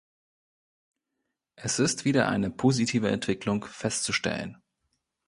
Es ist wieder eine positive Entwicklung festzustellen.